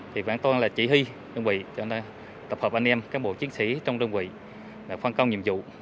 thì bản toàn là chỉ huy đơn vị cho nên tập hợp anh em các bộ chiến sĩ trong đơn vị phân công nhiệm vụ